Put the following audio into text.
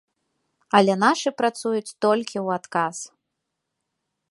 Але нашы працуюць толькі ў адказ.